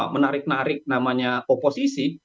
menarik narik namanya oposisi